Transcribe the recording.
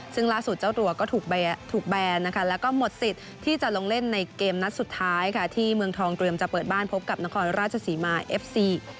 ซึ่งล่าสุดเจ้าตัวก็ถูกแบนนะคะแล้วก็หมดสิทธิ์ที่จะลงเล่นในเกมนัดสุดท้ายค่ะที่เมืองทองเตรียมจะเปิดบ้านพบกับนครราชศรีมาเอฟซี